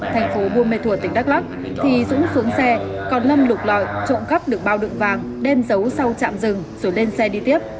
thành phố buôn mê thuột tỉnh đắk lắk thì dũng xuống xe còn lâm lục lọi trộm cắp được bao đựng vàng đem dấu sau trạm dừng rồi lên xe đi tiếp